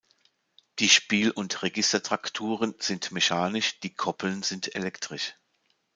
Die Spiel- und Registertrakturen sind mechanisch, die Koppeln sind elektrisch.